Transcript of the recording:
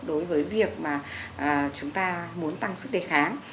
đối với việc mà chúng ta muốn tăng sức đề kháng